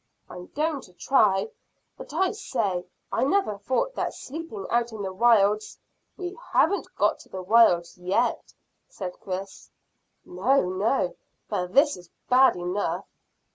"I'm going to try. But, I say, I never thought that sleeping out in the wilds " "We haven't got to the wilds yet," said Chris. "No, no; but this is bad enough."